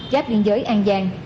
giáp liên giới an giang